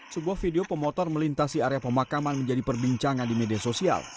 sebuah video pemotor melintasi area pemakaman menjadi perbincangan di media sosial